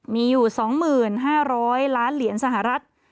มีอยู่๒๕๐๐ล้านเหรียญสหรัฐ